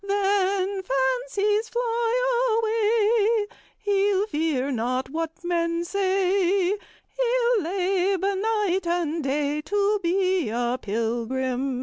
Then, fancies fly away, He'll fear not what men say; He'll labor night and day To be a pilgrim."